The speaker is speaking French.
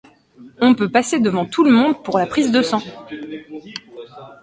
On peut passer devant tout le monde pour la prise de sang.